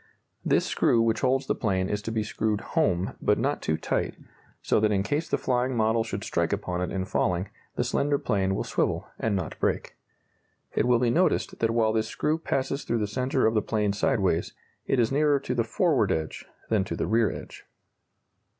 This screw which holds the plane is to be screwed "home" but not too tight, so that in case the flying model should strike upon it in falling, the slender plane will swivel, and not break. It will be noticed that while this screw passes through the centre of the plane sideways, it is nearer to the forward edge than to the rear edge.